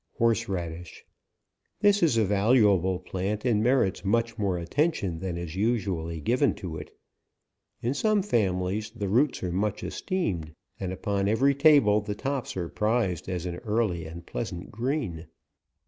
HORSE RADISH. This is a valuable plant, and merits much more attention than is usually given to it. In some families the roots are much esteemed, and upon every table, the tops are prized as an early and pleasant green.